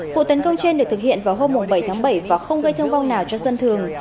vụ tấn công trên được thực hiện vào hôm bảy tháng bảy và không gây thương vong nào cho dân thường